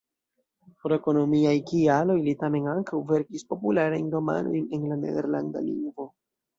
Pro ekonomiaj kialoj li tamen ankaŭ verkis popularajn romanojn en la nederlanda lingvo.